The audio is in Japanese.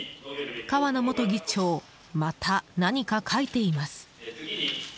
川名元議長また何か書いています。